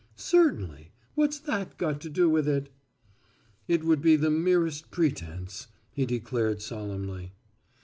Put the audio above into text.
"Certainly. What's that got to do with it?" "It would be the merest pretense," he declared solemnly.